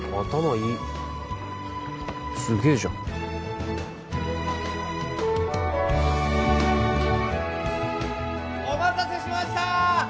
いいすげえじゃんお待たせしましたー！